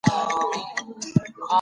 شاعر د تخیل له لارې مفهوم جوړوي.